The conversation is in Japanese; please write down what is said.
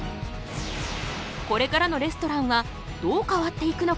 これからのレストランはどう変わっていくのか？